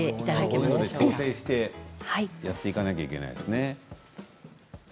こういうので調整してやっていかなきゃいけないですね。